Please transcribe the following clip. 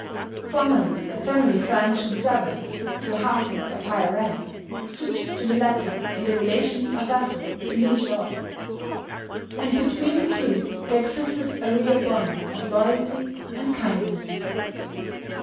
Formerly the family furnishing servants to a household of higher rank, stood to the latter in the relation of vassal to liege lord; and between the two there existed a real bond of loyalty and kindliness.